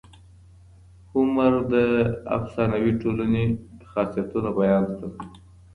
هومر د افسانوي ټولني خاصيتونه بیان کړل.